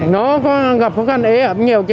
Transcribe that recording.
nó có gặp khó khăn ế ẩm nhiều chứ